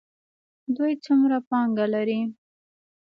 دوی څومره پانګه لري؟